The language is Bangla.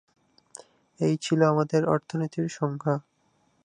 এই ছিল আমাদের অর্থনীতির সংজ্ঞা।